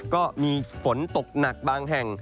ก็มีฝนตกหนักบางแห่ง